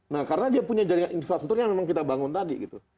nah karena dia punya jaringan infrastruktur yang memang kita bangun tadi gitu